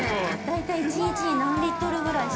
大体１日に何リットルぐらい？